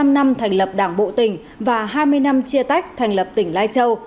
bảy mươi năm năm thành lập đảng bộ tỉnh và hai mươi năm chia tách thành lập tỉnh lai châu